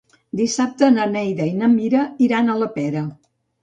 Dissabte na Neida i na Mira iran a la Pera.